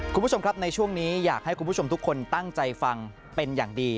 คุณผู้ชมครับในช่วงนี้อยากให้คุณผู้ชมทุกคนตั้งใจฟังเป็นอย่างดี